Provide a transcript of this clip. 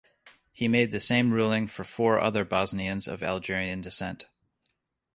He made the same ruling for four other Bosnians of Algerian descent.